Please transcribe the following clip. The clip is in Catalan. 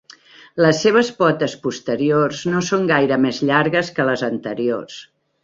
Les seves potes posteriors no són gaire més llargues que les anteriors.